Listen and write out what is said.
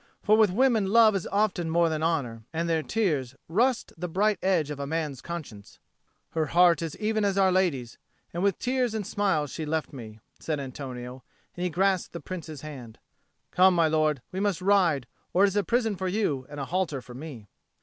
For with women love is often more than honour, and their tears rust the bright edge of a man's conscience." "Her heart is even as Our Lady's, and with tears and smiles she left me," said Antonio, and he grasped the Prince's hand. "Come, my lord, we must ride, or it is a prison for you and a halter for me."